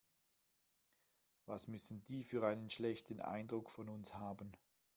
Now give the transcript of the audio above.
Was müssen die für einen schlechten Eindruck von uns haben.